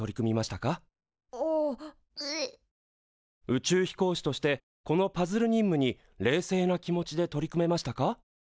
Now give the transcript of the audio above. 宇宙飛行士としてこのパズル任務に冷静な気持ちで取り組めましたか？